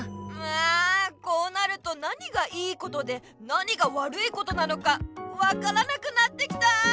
あこうなると何が良いことで何が悪いことなのかわからなくなってきた。